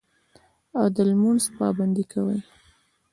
او د لمونځ پابندي کوي